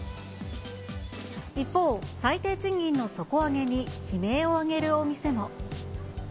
一方、最低賃金の底上げに悲鳴を上げるお店も。